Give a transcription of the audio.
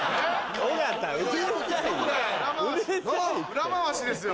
裏回しですよ。